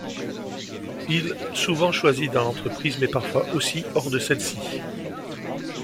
Il souvent choisi dans l'entreprise mais parfois aussi hors de celle-ci.